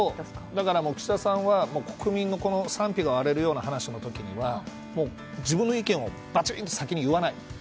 だから、岸田さんは国民の賛否が割れるような話の時には自分の意見をバチンと先に言わない。